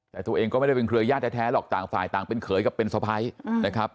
แต่ตัวเองก็ไม่ได้เป็นเครือญาติแท้หรอกต่างฝ่ายต่างเป็นเขยกับเป็นสะพ้ายนะครับ